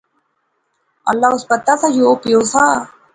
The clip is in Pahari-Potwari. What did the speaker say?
اللہ اس پتہ سا یا او پیو سا